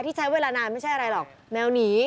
ใช้เวลานานไม่ใช่อะไรหรอกแมวหนี